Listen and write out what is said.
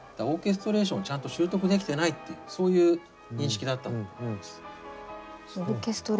オーケストレーションちゃんと習得できてないっていうそういう認識だったんだと思います。